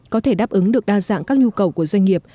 có thể đáp ứng được đa dạng các nhu cầu của doanh nghiệp